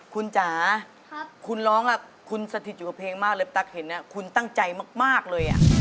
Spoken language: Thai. คุณจ๋าคุณร้องคุณสถิตอยู่กับเพลงมากเลยตั๊กเห็นคุณตั้งใจมากเลย